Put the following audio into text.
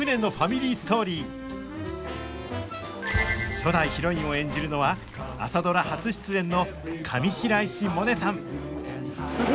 初代ヒロインを演じるのは「朝ドラ」初出演の上白石萌音さん！